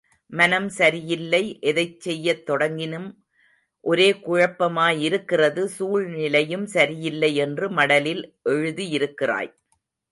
மனம் சரியில்லை எதைச் செய்யத் தொடங்கினும் ஒரே குழப்பமாயிருக்கிறது சூழ்நிலையும் சரியில்லை என்று மடலில் எழுதியிருக்கிறாய்.